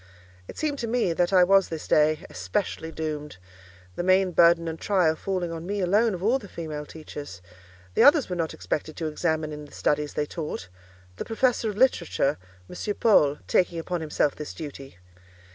It seemed to me that I was this day, especially doomed—the main burden and trial falling on me alone of all the female teachers. The others were not expected to examine in the studies they taught; the professor of literature, M. Paul, taking upon himself this duty.